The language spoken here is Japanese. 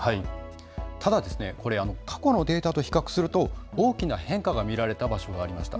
ただ過去のデータと比較すると大きな変化が見られた場所がありました。